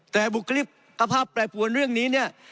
แต่บุคลิกภาพแปรปวนเรื่องนี้เนี่ย